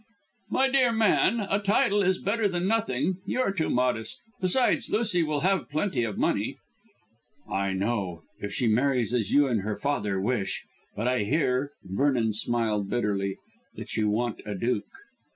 "My dear man, a title is better than nothing. You are too modest. Besides, Lucy will have plenty of money." "I know, if she marries as you and her father wish. But I hear," Vernon smiled bitterly, "that you want a duke."